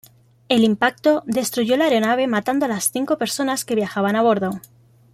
El impacto destruyó la aeronave matando a las cinco personas que viajaban a bordo.